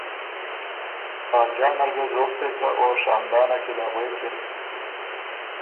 خاجان ال ګه زوک پېڅه او شاندانه کی له غوېکِن۔